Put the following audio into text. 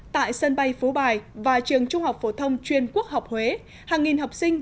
tại sân bay phú bài và trường trung học phổ thông chuyên quốc học huế hàng nghìn học sinh